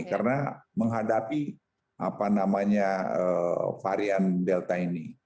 karena menghadapi varian delta ini